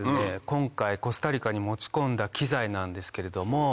今回コスタリカに持ち込んだ機材なんですけれども。